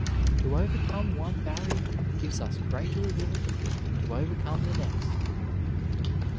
To overcome one barrier gives us greater ability to overcome the next.